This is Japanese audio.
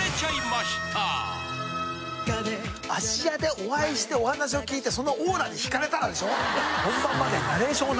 「芦屋でお会いしてお話を聞いてそのオーラに引かれたら」でしょ。